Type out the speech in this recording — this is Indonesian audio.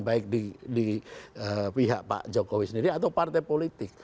baik di pihak pak jokowi sendiri atau partai politik